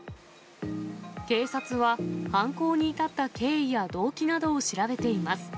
警察は犯行に至った経緯や動機などを調べています。